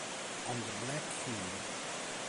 On the Black Hill